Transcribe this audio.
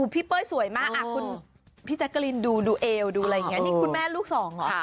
พี่เป้ยสวยมากอ่ะคุณพี่แซกกะลินดูดูเอวดูอะไรอย่างเงี้ยนี่คุณแม่ลูกสองอ่ะ